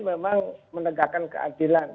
memang menegakkan keadilan